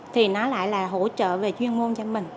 thì nó lại là hỗ trợ về chuyên môn cho mình